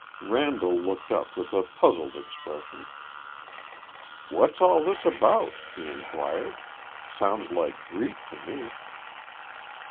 Randall looked up with a puzzled expression. "What's all this about?" he inquired. "Sounds like Greek to me."